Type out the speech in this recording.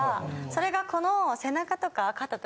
それがこの。